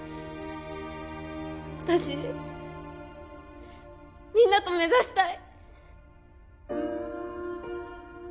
私みんなと目指したい！